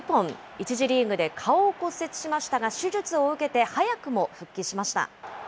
１次リーグで顔を骨折しましたが、手術を受けて早くも復帰しました。